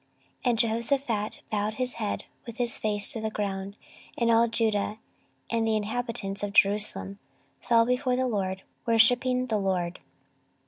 14:020:018 And Jehoshaphat bowed his head with his face to the ground: and all Judah and the inhabitants of Jerusalem fell before the LORD, worshipping the LORD.